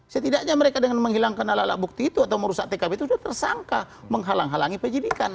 setidaknya mereka dengan menghilangkan alat alat bukti itu atau merusak tkp itu sudah tersangka menghalang halangi penyidikan